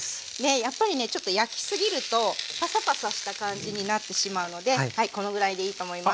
やっぱりねちょっと焼きすぎるとパサパサした感じになってしまうのでこのぐらいでいいと思います。